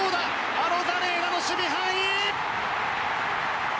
アロザレーナの守備範囲！